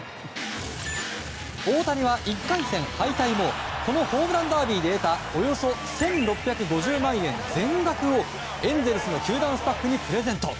大谷は１回戦敗退もこのホームランダービーで得たおよそ１６５０万円全額を、エンゼルスの球団スタッフにプレゼント。